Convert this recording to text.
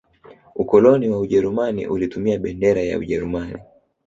ukoloni wa ujerumani ulitumia bendera ya ujeruman